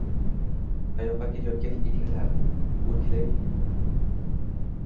Qayoqqa ketayotgan edinglar, o‘rgilay?